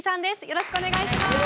よろしくお願いします。